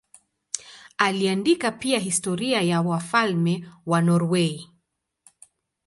Aliandika pia historia ya wafalme wa Norwei.